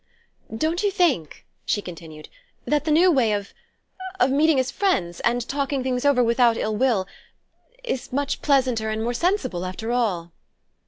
"Don't you think," she continued, "that the new way of... of meeting as friends... and talking things over without ill will... is much pleasanter and more sensible, after all?"